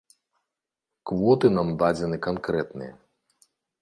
Квоты нам дадзены канкрэтныя.